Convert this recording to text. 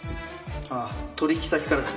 ああ取引先からだ。